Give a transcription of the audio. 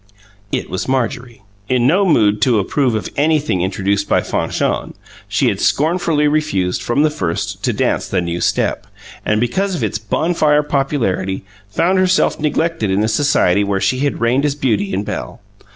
It was Marjorie. In no mood to approve of anything introduced by Fanchon, she had scornfully refused, from the first, to dance the new "step," and, because of its bonfire popularity, found herself neglected in a society where she had reigned as beauty and belle.